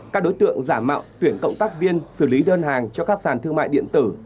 các đối tượng giả mạo tuyển cộng tác viên xử lý đơn hàng cho các sàn thương mại điện tử